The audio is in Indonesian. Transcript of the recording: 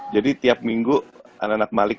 jadi tiap minggu anak anak malik